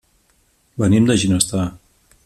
Venim de Ginestar.